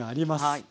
はい。